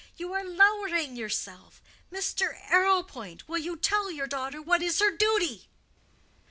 You are lowering yourself. Mr. Arrowpoint, will you tell your daughter what is her duty?"